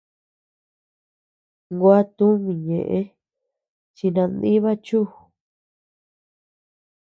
Gua tumi ñeʼe chi nandiba chu.